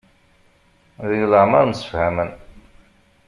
Deg leɛmer msefhamen.